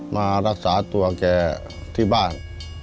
มารักษาตัวแกที่บ้าน